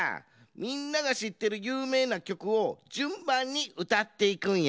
みんながしってるゆうめいなきょくをじゅんばんにうたっていくんや。